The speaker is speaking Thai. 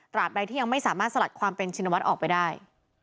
ใดที่ยังไม่สามารถสลัดความเป็นชินวัฒน์ออกไปได้